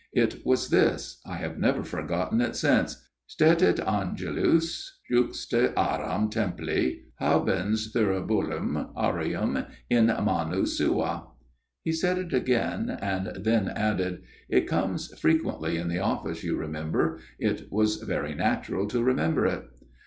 It was this I have never forgotten it since Stetit Angelus juxta aram templi habens thuribulum aureum in manu sua." He said it again ; and then added :" It comes frequently in the Office, you remem ber. It was very natural to remember it."